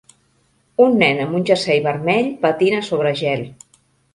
Un nen amb un jersei vermell patina sobre gel